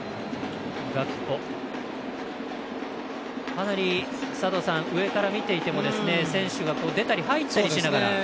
かなり上から見ていても選手が出たり入ったりしながら。